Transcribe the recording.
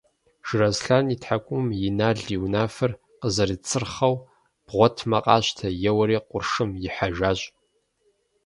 Жыраслъэн и тхьэкӀумэм Инал и унафэр къызэрицырхъэу – бгъуэтмэ къащтэ – еуэри къуршым ихьэжащ.